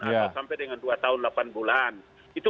atau sampai dengan dua tahun delapan bulan